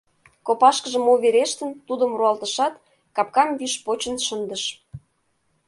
Копашкыже мо верештын, тудым руалтышат, капкам виш почын шындыш.